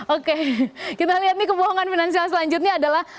oke kita lihat nih kebohongan finansial selanjutnya adalah